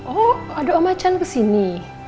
oh ada omacan kesini